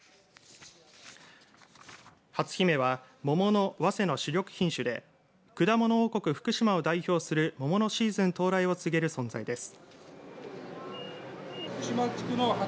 はつひめは桃のわせの主力品種で果物王国、福島を代表する桃のシーズン到来を告げる存在です。